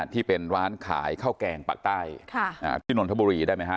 ที่เป็นร้านขายข้าวแกงปากใต้ที่นนทบุรีได้ไหมฮะ